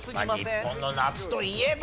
日本の夏といえば！